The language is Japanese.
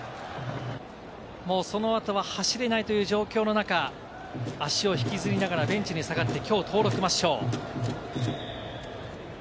その後は走れないという状況の中、足を引きずりながらベンチに下がって、きょう登録抹消。